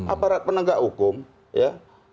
aparat penegak hukum ya